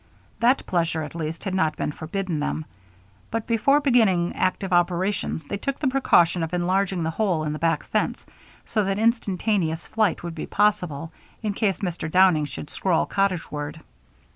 That pleasure, at least, had not been forbidden them; but before beginning active operations, they took the precaution of enlarging the hole in the back fence, so that instantaneous flight would be possible in case Mr. Downing should stroll cottageward.